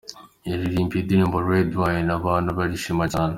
Yaririmbye indirimbo Red Wine abantu barishima cyane.